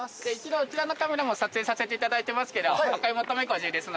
あちらのカメラも撮影させていただいてますけどお買い求めご自由ですので決めてください